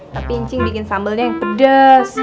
tapi cing buat sambalnya yang pedas